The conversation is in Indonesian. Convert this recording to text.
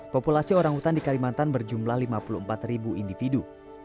populasi orang hutan di kalimantan berjumlah lima puluh empat individu